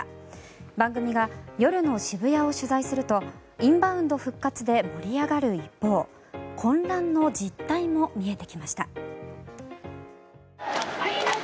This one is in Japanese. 番組が夜の渋谷を取材するとインバウンド復活で盛り上がる一方混乱の実態も見えてきました。